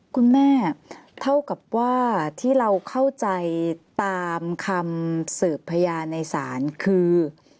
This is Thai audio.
คุณแม่เท่ากับว่าที่เราเข้าใจตามคำสืบพยานในศาลคือ